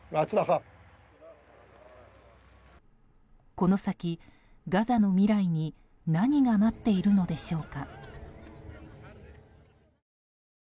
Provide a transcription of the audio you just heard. この先、ガザの未来に何が待っているのでしょうか。